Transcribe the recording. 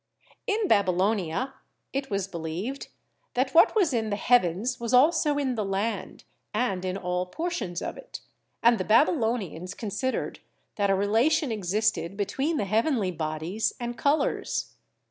In Babylonia it was believed that what was in the heav ens was also in the land and in all portions of it, and the Babylonians considered that a relation existed between the heavenly bodies and colors.